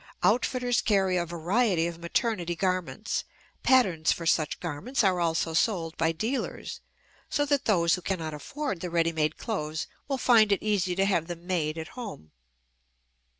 Outfitters carry a variety of maternity garments; patterns for such garments are also sold by dealers, so that those who cannot afford the ready made clothes will find it easy to have them made at home.